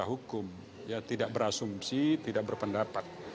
hukum tidak berasumsi tidak berpendapat